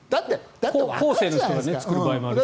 後世の人が作る場合もあるし。